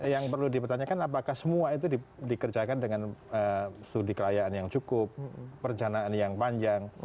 yang perlu dipertanyakan apakah semua itu dikerjakan dengan studi kelayaan yang cukup perencanaan yang panjang